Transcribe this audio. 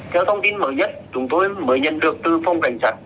theo thông tin mới nhất chúng tôi mới nhận được từ phòng cảnh sát